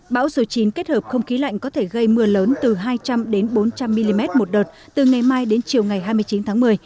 bão số chín kết hợp không khí lạnh có thể gây mưa lớn từ hai trăm linh đến bốn trăm linh mm một đợt từ ngày mai đến chiều ngày hai mươi chín tháng một mươi